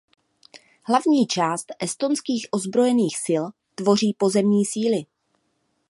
Hlavní část estonských ozbrojených sil tvoří pozemní síly.